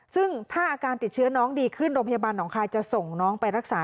ซึ่งถ้าอาการติดเชื้อน้องดีขึ้นโรงพยาบาลหนองคายจะส่งน้องไปรักษา